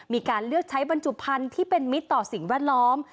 มีการเลือกใช้บรรจุภัณฑ์ที่เป็นมิตรต่อสิ่งแวดล้อม